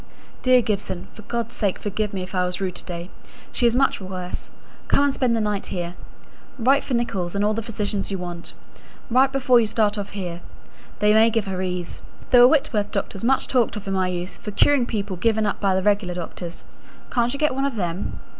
DEAR GIBSON, For God's sake forgive me if I was rude to day. She is much worse. Come and spend the night here. Write for Nicholls, and all the physicians you want. Write before you start off. They may give her ease. There were Whitworth doctors much talked of in my youth for curing people given up by the regular doctors; can't you get one of them?